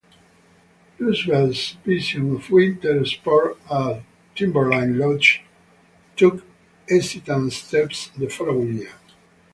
Roosevelt's vision of winter sports at Timberline Lodge took hesitant steps the following year.